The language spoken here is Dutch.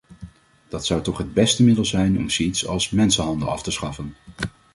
Dat zou toch het beste middel zijn om zoiets als mensenhandel af te schaffen.